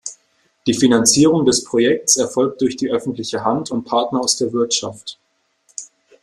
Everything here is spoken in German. Die Finanzierung des Projekts erfolgt durch die öffentliche Hand und Partner aus der Wirtschaft.